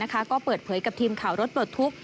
และก็เปิดเผยกับทีมข่าวรถบททุกข์